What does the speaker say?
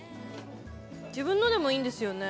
自分のでもいいんですよね？